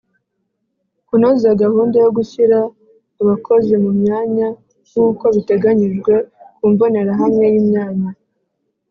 Kunoza gahunda yo gushyira abakozi mu myanya nk uko biteganyijwe ku mbonerahamwe y imyanya